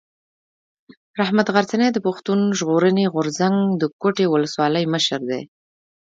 رحمت غرڅنی د پښتون ژغورني غورځنګ د کوټي اولسوالۍ مشر دی.